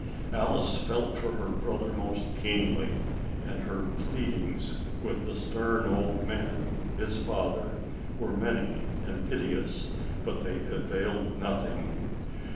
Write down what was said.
Alice felt for her brother most keenly, and her pleadings with the stern old man, his father, were many and piteous, but they availed nothing.